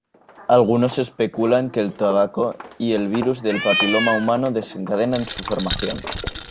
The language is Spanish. Algunos especulan que el tabaco y el virus del papiloma humano desencadenan su formación.